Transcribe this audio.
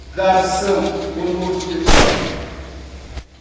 Dados são o novo petróleo